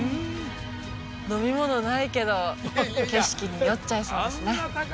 飲み物ないけど景色に酔っちゃいそうですね